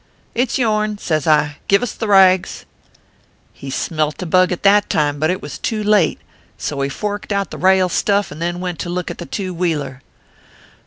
" It s yourn, says I. Give us the rags. " He smelt a bug that time ; but it was too late ; so he forked out the rale stuff, and then went to look at the two wheeler.